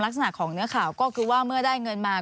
ลักษณะของเนื้อข่าวก็คือว่าเมื่อได้เงินมา